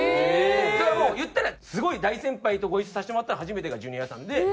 だからもう言ったらすごい大先輩とご一緒させてもらった初めてがジュニアさんで。